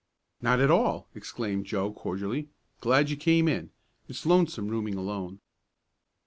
"Not at all!" exclaimed Joe cordially. "Glad you came in. It's lonesome rooming alone."